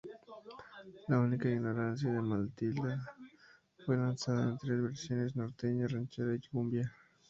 La única ignorancia de Maldita fue lanzada en tres versiones, norteña, ranchera y cumbia.